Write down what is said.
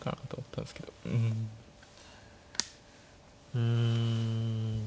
うん。